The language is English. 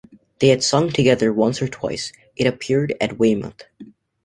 They had sung together once or twice, it appeared, at Weymouth.